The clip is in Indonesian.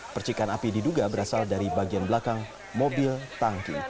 percikan api diduga berasal dari bagian belakang mobil tangki